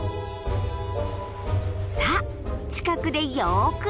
さあ近くでよく見てね。